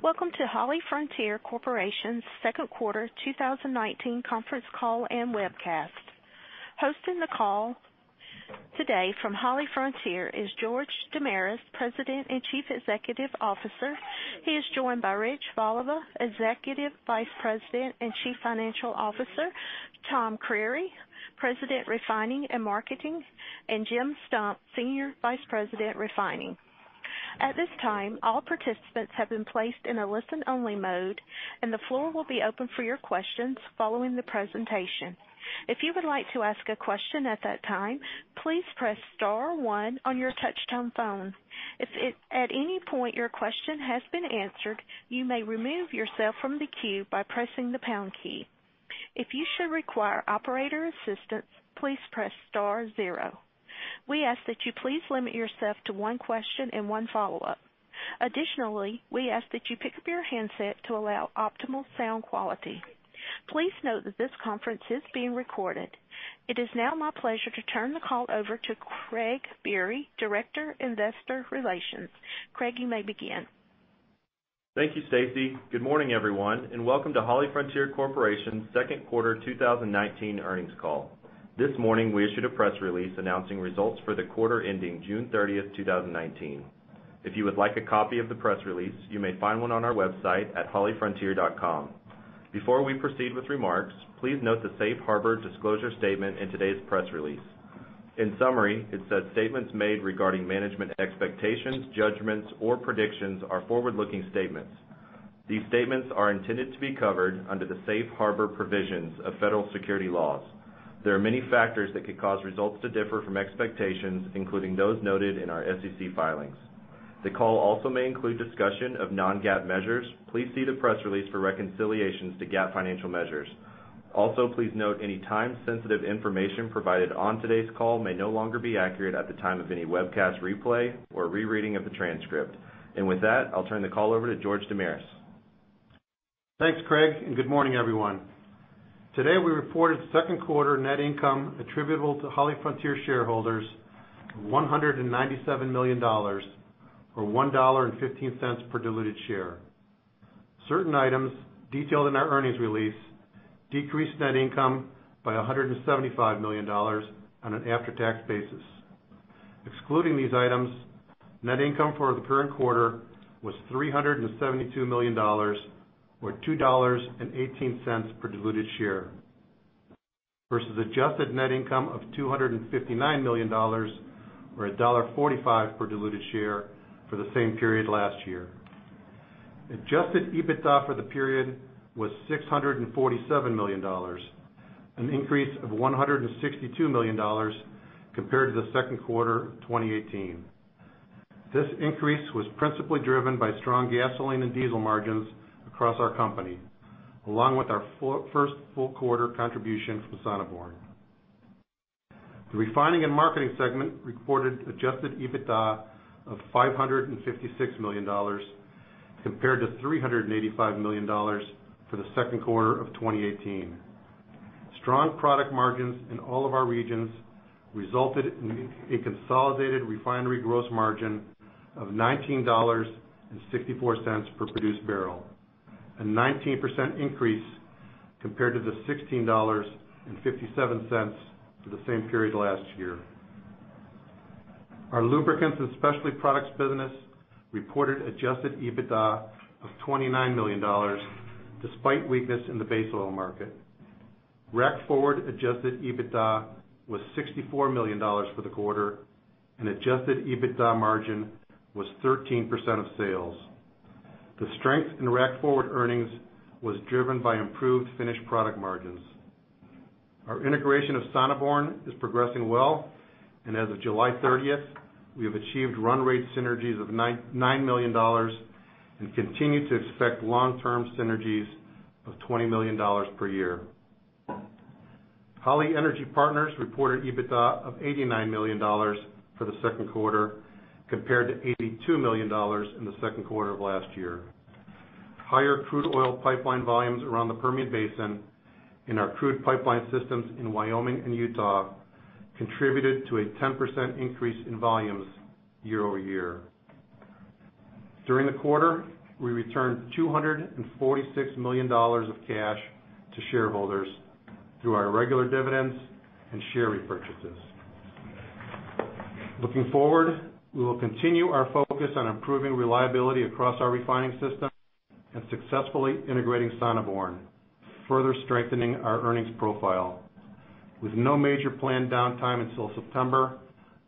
Welcome to HollyFrontier Corporation's second quarter 2019 conference call and webcast. Hosting the call today from HollyFrontier is George Damiris, President and Chief Executive Officer. He is joined by Rich Voliva, Executive Vice President and Chief Financial Officer, Tom Creery, President, Refining and Marketing, and Jim Stump, Senior Vice President, Refining. At this time, all participants have been placed in a listen-only mode, and the floor will be open for your questions following the presentation. If you would like to ask a question at that time, please press star one on your touchtone phone. If at any point your question has been answered, you may remove yourself from the queue by pressing the pound key. If you should require operator assistance, please press star zero. We ask that you please limit yourself to one question and one follow-up. Additionally, we ask that you pick up your handset to allow optimal sound quality. Please note that this conference is being recorded. It is now my pleasure to turn the call over to Craig Biery, Vice President, Investor Relations. Craig, you may begin. Thank you, Stacy. Good morning, everyone, and welcome to HollyFrontier Corporation's second quarter 2019 earnings call. This morning, we issued a press release announcing results for the quarter ending June 30th, 2019. If you would like a copy of the press release, you may find one on our website at hollyfrontier.com. Before we proceed with remarks, please note the safe harbor disclosure statement in today's press release. In summary, it says statements made regarding management expectations, judgments, or predictions are forward-looking statements. These statements are intended to be covered under the safe harbor provisions of federal security laws. There are many factors that could cause results to differ from expectations, including those noted in our SEC filings. The call also may include discussion of non-GAAP measures. Please see the press release for reconciliations to GAAP financial measures. Also, please note any time-sensitive information provided on today's call may no longer be accurate at the time of any webcast replay or rereading of the transcript. With that, I'll turn the call over to George Damiris. Thanks, Craig, and good morning, everyone. Today, we reported second quarter net income attributable to HollyFrontier shareholders of $197 million, or $1.15 per diluted share. Certain items detailed in our earnings release decreased net income by $175 million on an after-tax basis. Excluding these items, net income for the current quarter was $372 million, or $2.18 per diluted share versus adjusted net income of $259 million, or $1.45 per diluted share for the same period last year. Adjusted EBITDA for the period was $647 million, an increase of $162 million compared to the second quarter of 2018. This increase was principally driven by strong gasoline and diesel margins across our company, along with our first full quarter contribution from Sonneborn. The refining and marketing segment reported adjusted EBITDA of $556 million compared to $385 million for the second quarter of 2018. Strong product margins in all of our regions resulted in a consolidated refinery gross margin of $19.64 per produced barrel, a 19% increase compared to the $16.57 for the same period last year. Our Lubricants and Specialty Products business reported adjusted EBITDA of $29 million despite weakness in the base oil market. Rack forward adjusted EBITDA was $64 million for the quarter, and adjusted EBITDA margin was 13% of sales. The strength in Rack forward earnings was driven by improved finished product margins. Our integration of Sonneborn is progressing well, and as of July 30th, we have achieved run rate synergies of $99 million and continue to expect long-term synergies of $20 million per year. Holly Energy Partners reported EBITDA of $89 million for the second quarter compared to $82 million in the second quarter of last year. Higher crude oil pipeline volumes around the Permian Basin in our crude pipeline systems in Wyoming and Utah contributed to a 10% increase in volumes year-over-year. During the quarter, we returned $246 million of cash to shareholders through our regular dividends and share repurchases. Looking forward, we will continue our focus on improving reliability across our refining system and successfully integrating Sonneborn, further strengthening our earnings profile. With no major planned downtime until September,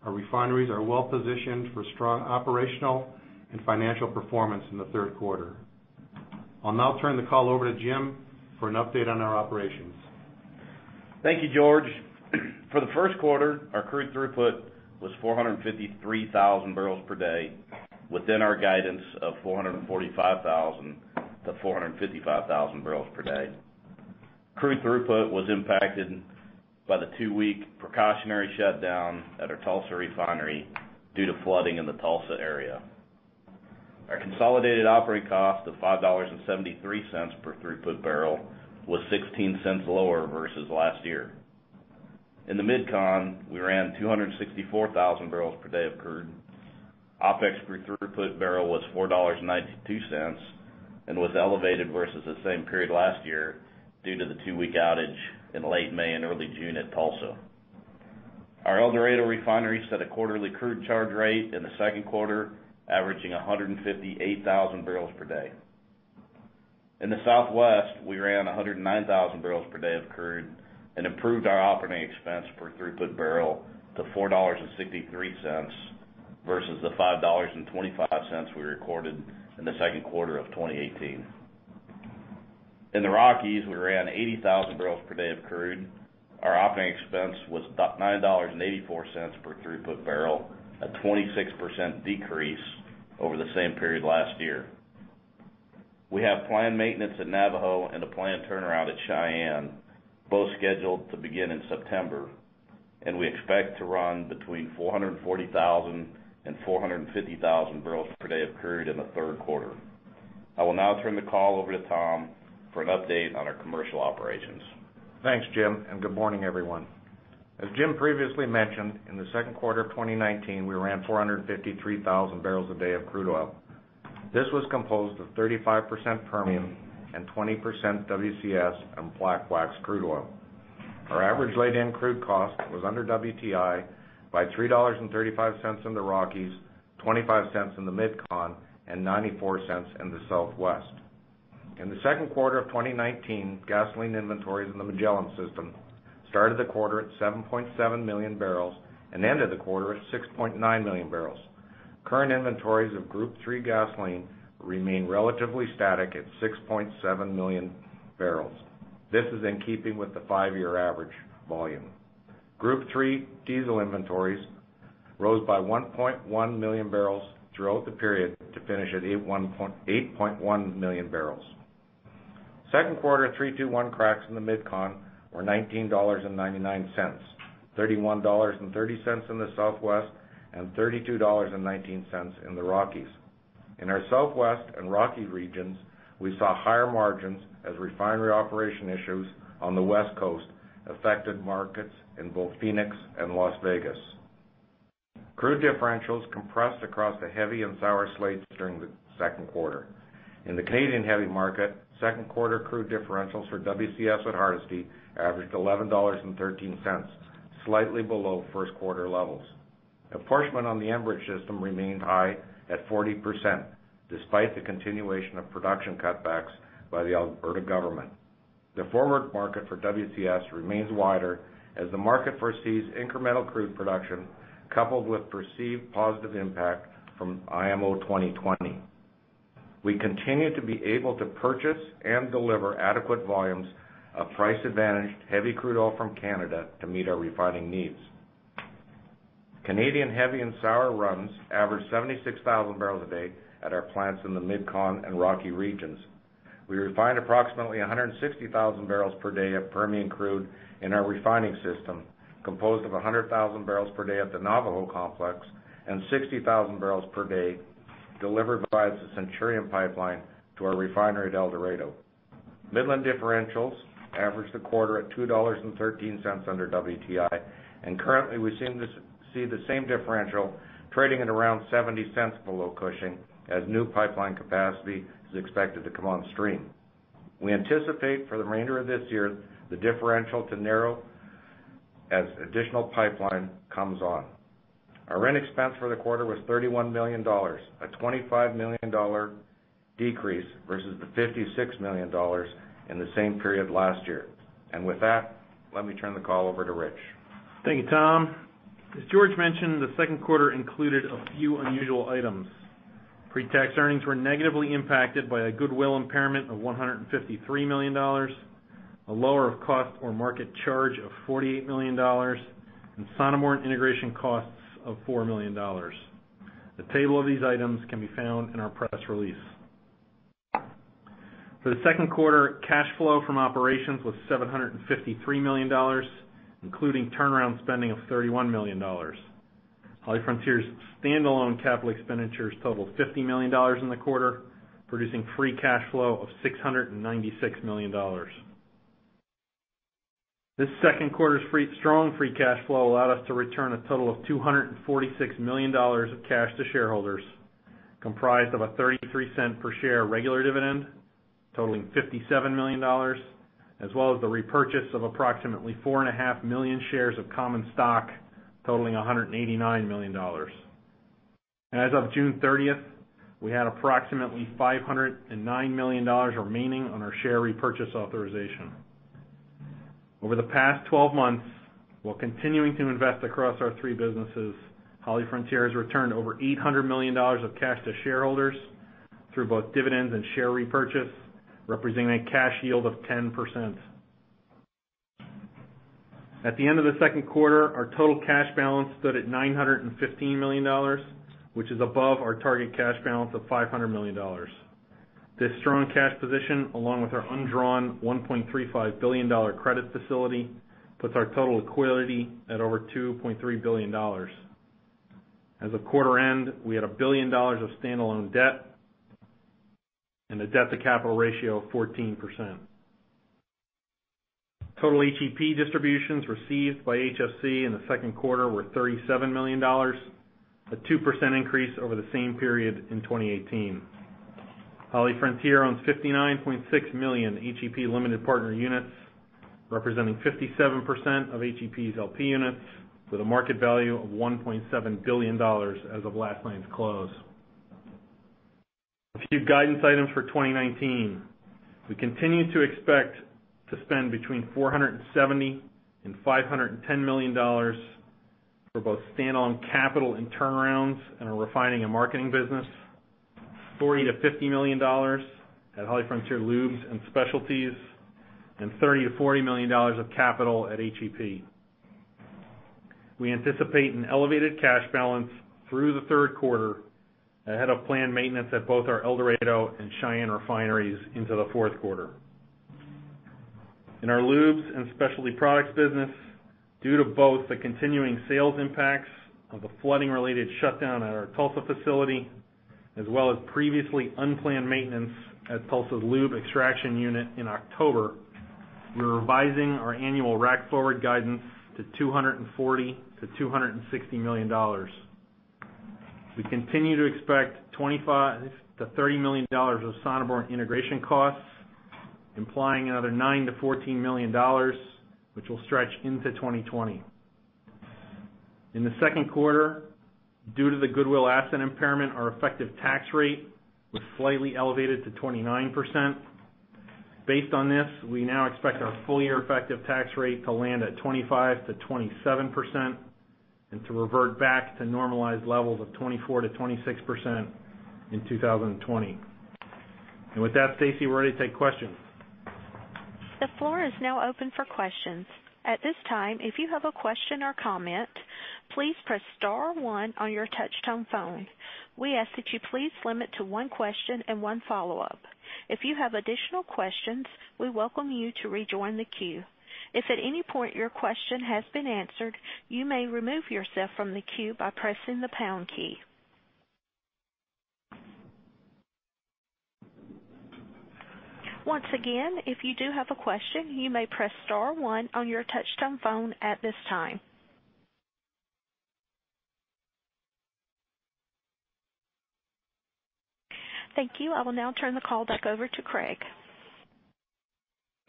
our refineries are well positioned for strong operational and financial performance in the third quarter. I'll now turn the call over to Jim for an update on our operations. Thank you, George. For the first quarter, our crude throughput was 453,000 barrels per day within our guidance of 445,000-455,000 barrels per day. Crude throughput was impacted by the 2-week precautionary shutdown at our Tulsa refinery due to flooding in the Tulsa area. Our consolidated operating cost of $5.73 per throughput barrel was $0.16 lower versus last year. In the MidCon, we ran 264,000 barrels per day of crude. OpEx per throughput barrel was $4.92 and was elevated versus the same period last year due to the 2-week outage in late May and early June at Tulsa. Our El Dorado refinery set a quarterly crude charge rate in the second quarter, averaging 158,000 barrels per day. In the Southwest, we ran 109,000 barrels per day of crude and improved our operating expense per throughput barrel to $4.63 versus the $5.25 we recorded in the second quarter of 2018. In the Rockies, we ran 80,000 barrels per day of crude. Our operating expense was $9.84 per throughput barrel, a 26% decrease over the same period last year. We have planned maintenance at Navajo and a planned turnaround at Cheyenne, both scheduled to begin in September, and we expect to run between 440,000 and 450,000 barrels per day of crude in the third quarter. I will now turn the call over to Tom for an update on our commercial operations. Thanks, Jim, and good morning, everyone. As Jim previously mentioned, in the second quarter of 2019, we ran 453,000 barrels a day of crude oil. This was composed of 35% Permian and 20% WCS and black wax crude oil. Our average laid-in crude cost was under WTI by $3.35 in the Rockies, $0.25 in the MidCon, and $0.94 in the Southwest. In the second quarter of 2019, gasoline inventories in the Magellan system started the quarter at 7.7 million barrels and ended the quarter at 6.9 million barrels. Current inventories of Group Three gasoline remain relatively static at 6.7 million barrels. This is in keeping with the five-year average volume. Group Three diesel inventories rose by 1.1 million barrels throughout the period to finish at 8.1 million barrels. Second quarter 3-2-1 cracks in the MidCon were $19.99, $31.30 in the Southwest, and $32.19 in the Rockies. In our Southwest and Rocky regions, we saw higher margins as refinery operation issues on the West Coast affected markets in both Phoenix and Las Vegas. Crude differentials compressed across the heavy and sour slates during the second quarter. In the Canadian heavy market, second quarter crude differentials for WCS at Hardisty averaged $11.13, slightly below first quarter levels. Enforcement on the Enbridge system remained high at 40%, despite the continuation of production cutbacks by the Alberta government. The forward market for WCS remains wider as the market foresees incremental crude production, coupled with perceived positive impact from IMO 2020. We continue to be able to purchase and deliver adequate volumes of price-advantaged heavy crude oil from Canada to meet our refining needs. Canadian heavy and sour runs averaged 76,000 barrels a day at our plants in the MidCon and Rocky regions. We refined approximately 160,000 barrels per day of Permian crude in our refining system, composed of 100,000 barrels per day at the Navajo complex and 60,000 barrels per day delivered by the Centurion Pipeline to our refinery at El Dorado. Midland differentials averaged the quarter at $2.13 under WTI, and currently we see the same differential trading at around $0.70 below Cushing as new pipeline capacity is expected to come on stream. We anticipate for the remainder of this year the differential to narrow as additional pipeline comes on. Our rent expense for the quarter was $31 million, a $25 million decrease versus the $56 million in the same period last year. With that, let me turn the call over to Rich. Thank you, Tom. As George mentioned, the second quarter included a few unusual items. Pre-tax earnings were negatively impacted by a goodwill impairment of $153 million, a lower of cost or market charge of $48 million, and Sonneborn integration costs of $4 million. The table of these items can be found in our press release. For the second quarter, cash flow from operations was $753 million, including turnaround spending of $31 million. HollyFrontier's standalone capital expenditures totaled $50 million in the quarter, producing free cash flow of $696 million. This second quarter's strong free cash flow allowed us to return a total of $246 million of cash to shareholders, comprised of a $0.33 per share regular dividend totaling $57 million, as well as the repurchase of approximately 4.5 million shares of common stock totaling $189 million. As of June 30th, we had approximately $509 million remaining on our share repurchase authorization. Over the past 12 months, while continuing to invest across our three businesses, HollyFrontier has returned over $800 million of cash to shareholders through both dividends and share repurchase, representing a cash yield of 10%. At the end of the second quarter, our total cash balance stood at $915 million, which is above our target cash balance of $500 million. This strong cash position, along with our undrawn $1.35 billion credit facility, puts our total liquidity at over $2.3 billion. As of quarter end, we had $1 billion of standalone debt. A debt-to-capital ratio of 14%. Total HEP distributions received by HFC in the second quarter were $37 million, a 2% increase over the same period in 2018. HollyFrontier owns 59.6 million HEP limited partner units, representing 57% of HEP's LP units with a market value of $1.7 billion as of last night's close. A few guidance items for 2019. We continue to expect to spend between $470 million and $510 million for both standalone capital and turnarounds in our refining and marketing business, $40 million to $50 million at HollyFrontier Lubricants and Specialty Products, and $30 million to $40 million of capital at HEP. We anticipate an elevated cash balance through the third quarter ahead of planned maintenance at both our El Dorado and Cheyenne refineries into the fourth quarter. In our lubes and specialty products business, due to both the continuing sales impacts of the flooding-related shutdown at our Tulsa facility as well as previously unplanned maintenance at Tulsa's lube extraction unit in October, we're revising our annual rack forward guidance to $240 million to $260 million. We continue to expect $25 million-$30 million of Sonneborn integration costs, implying another $9 million-$14 million, which will stretch into 2020. In the second quarter, due to the goodwill asset impairment, our effective tax rate was slightly elevated to 29%. Based on this, we now expect our full-year effective tax rate to land at 25%-27% and to revert back to normalized levels of 24%-26% in 2020. With that, Stacy, we're ready to take questions. The floor is now open for questions. At this time, if you have a question or comment, please press star one on your touch-tone phone. We ask that you please limit to one question and one follow-up. If you have additional questions, we welcome you to rejoin the queue. If at any point your question has been answered, you may remove yourself from the queue by pressing the pound key. Once again, if you do have a question, you may press star one on your touch-tone phone at this time. Thank you. I will now turn the call back over to Craig.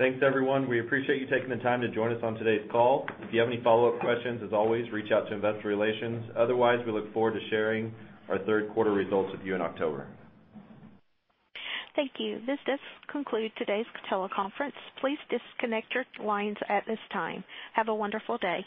Thanks, everyone. We appreciate you taking the time to join us on today's call. If you have any follow-up questions, as always, reach out to investor relations. Otherwise, we look forward to sharing our third-quarter results with you in October. Thank you. This does conclude today's teleconference. Please disconnect your lines at this time. Have a wonderful day.